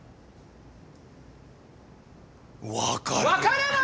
わから。